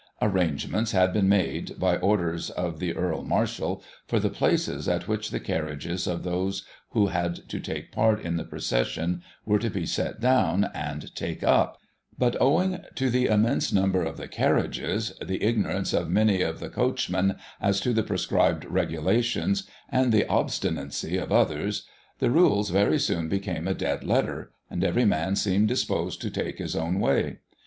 Arrangements had been made, by orders of the Earl Marshal, for the places at which the carriages of those who had to take part in the procession were to set down and take up ; but, owing to the immense number of the carriages, the ignorance of many of the coach men as to the prescribed regulations, and the obstinacy of Digiti ized by Google 4 GOSSIP. [1837 /"others, the rules very soon became a dead letter, and every ^ man seemed disposed to take his own way.